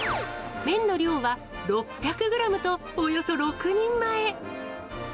麺の量は６００グラムと、およそ６人前。